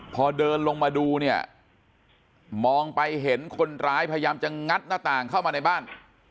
พอเดินลงมาดูเนี่ยมองไปเห็นคนร้ายพยายามจะงัดหน้าต่างเข้ามาในบ้าน